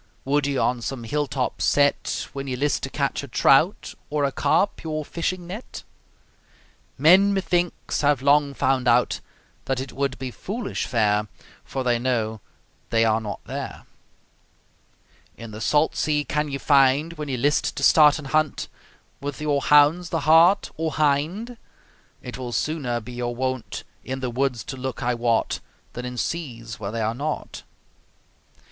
Would ye on some hill top set, When ye list to catch a trout, Or a carp, your fishing net? Men, methinks, have long found out That it would be foolish fare, For they know they are not there. In the salt sea can ye find, When ye list to start an hunt, With your hounds, the hart or hind? It will sooner be your wont In the woods to look, I wot, Than in seas where they are not.